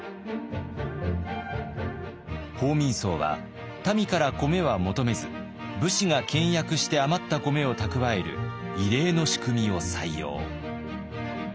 報民倉は民から米は求めず武士が倹約して余った米を蓄える異例の仕組みを採用。